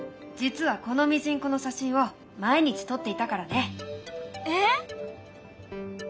実はこのミジンコの写真を毎日撮っていたからね。